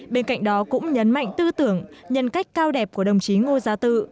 bên cạnh đó cũng nhấn mạnh tư tưởng nhân cách cao đẹp của đồng chí ngô gia tự